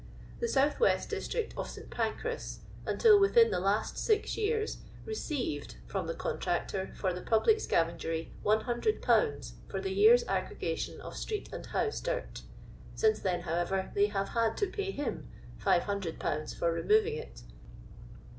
The south west district of St. Pancras, until within the last six years, received bom the contractor for the piiblic soavengery, lOOZ. for the year's aggregation of street and bouse dirt. Since then, however, they have had to pay him 50QL for removing it.